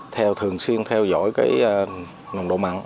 theo thường xuyên theo dõi cái nồng độ mặn